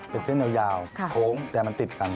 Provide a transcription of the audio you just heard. เป็นเส้นยาวโค้งแต่มันติดกัน